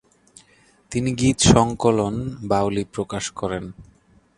তিনি গীত সংকলন "বাউলী" প্রকাশ করেন।